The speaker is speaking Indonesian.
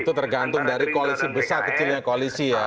itu tergantung dari koalisi besar kecilnya koalisi ya